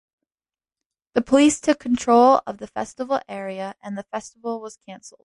The Police took control of the festival area and the festival was cancelled.